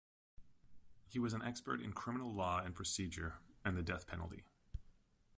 He was an expert in criminal law and procedure, and the death penalty.